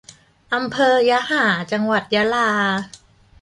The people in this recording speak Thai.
อำเภอยะหา จังหวัดยะลา